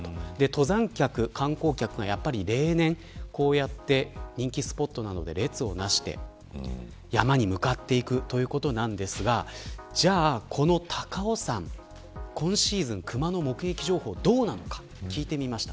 登山客、観光客が例年こうやって人気スポットなどで列をなして山に向かっていくということですがじゃあ、この高尾山今シーズン、クマの目撃情報どうなのか聞いてみました。